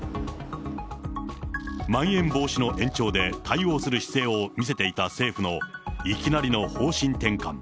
まん延防止の延長で対応する姿勢を見せていた政府のいきなりの方針転換。